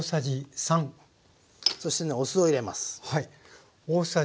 そしてねお酢を入れます。